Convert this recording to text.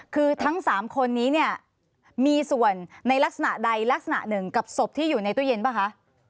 คือทั้ง๓คนนี้เนี่ยมีส่วนในลักษณะใดลักษณะหนึ่งกับศพที่อยู่ในตู้เย็นป่ะคะ